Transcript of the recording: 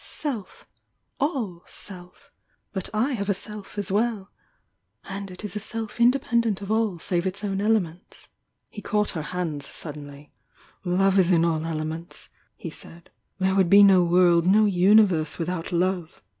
Self.' aU Self! But I «n «1^?^ ""*';""''"'',!'•«" S«" independent of all save it« own elements." He caught her hands suddenly. Love IS in aU elements," he said. "There would De no world, no universe without love!"